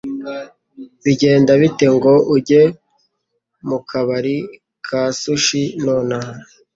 Bigenda bite ngo ujye mu kabari ka sushi nonaha?